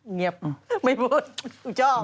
เงียบไม่พูดอยู่ช่อง